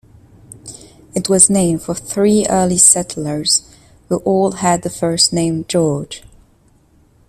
It was named for three early settlers who all had the first name George.